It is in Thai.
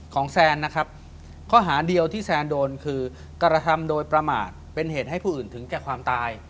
แซนนะครับข้อหาเดียวที่แซนโดนคือกระทำโดยประมาทเป็นเหตุให้ผู้อื่นถึงแก่ความตาย